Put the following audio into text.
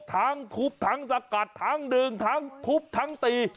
ทั้งทุบทั้งสกัดทั้งดึงทั้งทุบทั้งตี